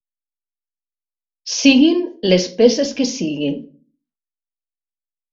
Siguin les peces que siguin.